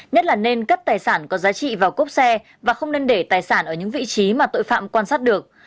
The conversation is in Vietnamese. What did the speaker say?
nhất là nên cấp tài sản có giá trị vào cốp xe và không nên để tài sản ở những vị trí mà tội phạm quan sát được